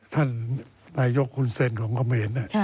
ท่านนายกุลเซนต์ของกระเมน